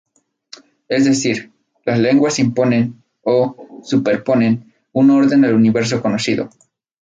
Es decir, las lenguas imponen -o "superponen"- un orden al universo conocido.